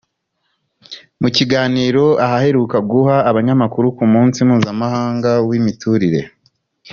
mu kiganiro aheruka guha abanyamakuru ku munsi mpuzamahanga w’imiturire